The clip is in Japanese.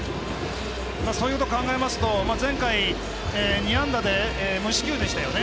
そういうのを考えますと前回２安打で無四球でしたよね。